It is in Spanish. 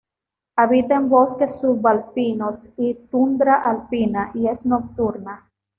Habita en bosques subalpinos y tundra alpina, y es nocturna.